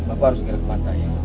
aku harus segera ke pantai